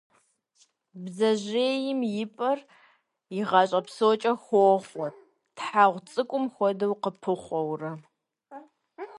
Бдзэжьейм и пӏэр и гъащӏэ псокӏэ хохъуэ, тхьэгъу цӏыкӏум хуэдэу къыпыхъуэурэ.